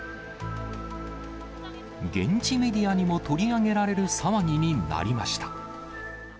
現地メディアにも取り上げられる騒ぎになりました。